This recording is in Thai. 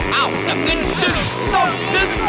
เอ้ายังกึดดึงทรงดึง